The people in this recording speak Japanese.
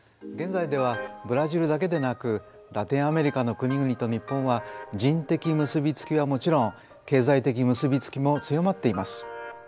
現在ではブラジルだけでなくラテンアメリカの国々と日本は人的結び付きはもちろん経済的結び付きも強まっています。